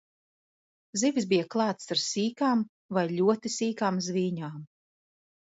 Zivis bija klātas ar sīkām vai ļoti sīkām zvīņām.